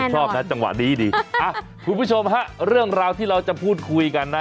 แน่นอนคุณผู้ชมค่ะเรื่องราวที่เราจะพูดคุยกันนะ